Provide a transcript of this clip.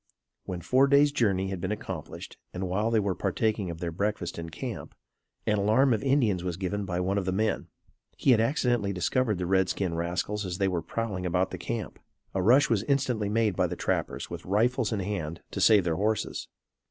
When four days' journey had been accomplished, and while they were partaking of their breakfast in camp, an alarm of Indians was given by one of the men. He had accidentally discovered the red skin rascals as they were prowling about the camp. A rush was instantly made by the trappers, with rifles in hand, to save their horses.